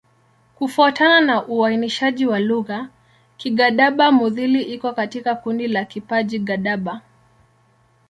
Kufuatana na uainishaji wa lugha, Kigadaba-Mudhili iko katika kundi la Kiparji-Gadaba.